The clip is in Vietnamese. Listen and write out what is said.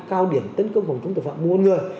cao điểm tấn công phòng chống tội phạm mua bán người